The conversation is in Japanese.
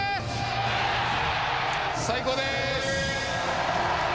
最高です！